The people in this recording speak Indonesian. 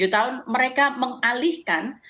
tujuh tahun mereka mengalihkan